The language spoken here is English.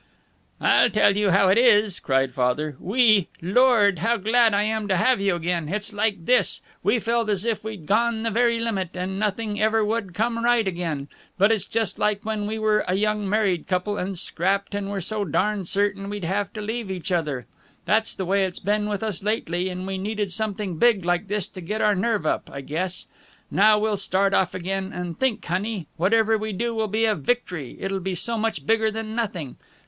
"I'll tell you how it is," cried Father. "We Lord! how glad I am to have you again! It's like this: We felt as if we'd gone the very limit, and nothing ever would come right again. But it's just like when we were a young married couple and scrapped and were so darn certain we'd have to leave each other. That's the way it's been with us lately, and we needed something big like this to get our nerve up, I guess. Now we'll start off again, and think, honey, whatever we do will be a vict'ry it'll be so much bigger than nothing.